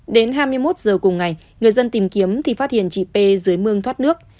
đến hai mươi một giờ cùng ngày người dân tìm kiếm thì phát hiện chị p dưới mương thoát nước